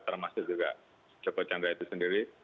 termasuk juga joko chandra itu sendiri